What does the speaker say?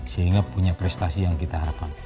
sehingga punya prestasi yang kita harapkan